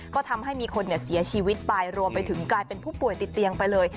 ก็ทำให้มีคนเสียชีวิตไปรวมไปถึงกลายเป็นผู้ป่วยติดเตียงไปเลย